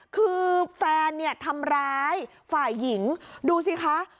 คือแฟนเนี่ยทำร้ายฝ่ายหญิงดูสิคะ